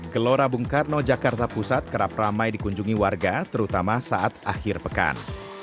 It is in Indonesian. gelora bung karno jakarta pusat kerap ramai dikunjungi warga terutama saat akhir pekan